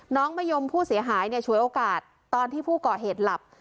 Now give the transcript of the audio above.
มะยมผู้เสียหายเนี่ยฉวยโอกาสตอนที่ผู้ก่อเหตุหลับ